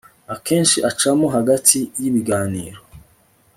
akenshi acamo hagati y'ibiganiro